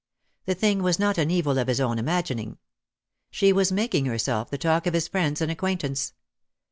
The thing was not an evil of his own imagining. She was making herself the talk of his friends and acquaintance.